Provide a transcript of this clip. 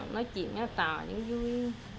nói chuyện nó tạo những vui